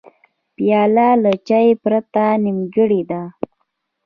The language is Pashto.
پیاله له چای پرته نیمګړې ده.